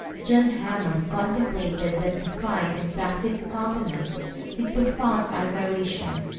John Hammond contemplated that refined and placid countenance with profound admiration.